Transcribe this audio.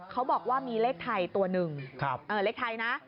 เขาบอกว่ามีเลขไทยตัวหนึ่งเลขไทยนะ